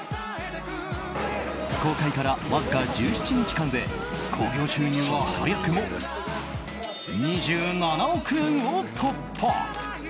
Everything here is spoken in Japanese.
公開から、わずか１７日間で興行収入は早くも２７億円を突破。